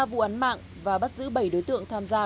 ba vụ án mạng và bắt giữ bảy đối tượng tham gia